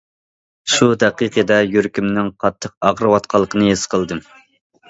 شۇ دەقىقىدە يۈرىكىمنىڭ قاتتىق ئاغرىۋاتقانلىقىنى ھېس قىلدىم.